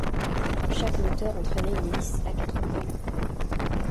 Chaque moteur entraînait une hélice à quatre pales.